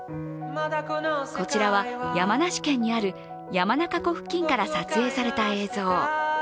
こちらは山梨県にある山中湖付近から撮影された映像。